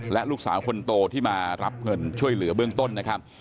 และลูกสาวคนโตที่มารับเงินช่วยเหลือเบื้องต้นนะครับ